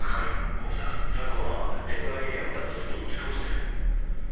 佐久間はＮＩＡ辞めたあとすぐに離婚してる。